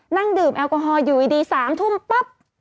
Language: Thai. นั่งดื่มแอลกอฮอล์อยู่อีกดี๓ทุ่มปั๊บ